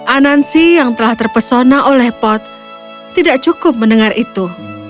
anansi yang telah terpesona oleh pot tidak cukup mendengar itu